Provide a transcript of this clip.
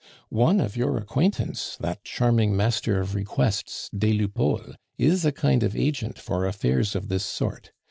One of your acquaintance, that charming Master of Requests des Lupeaulx, is a kind of agent for affairs of this sort.